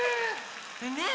ねえ